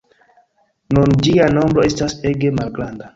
Nun ĝia nombro estas ege malgranda.